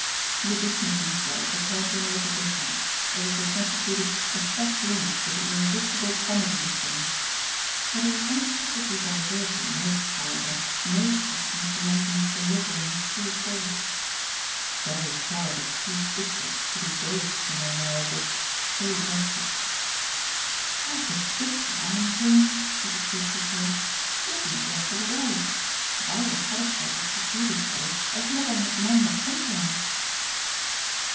The addition of these words apparently made the difference as if they constituted a fresh link with the irresistible comedy of things. That he was unexpectedly diverting was, however, no check to Mr. Longdon's delivering his full thought. "Very horrid of two sisters to be both, in their marriages, so wretched." "Ah but Tishy, I maintain," Mrs. Brook returned, "ISN'T wretched at all. If I were satisfied that she's really so I'd never let Nanda come to her."